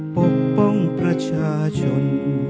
ปกป้องประชาชน